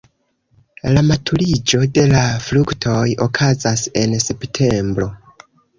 La maturiĝo de la fruktoj okazas en septembro.